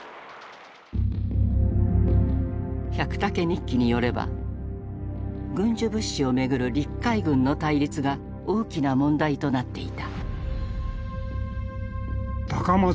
「百武日記」によれば軍需物資をめぐる陸海軍の対立が大きな問題となっていた。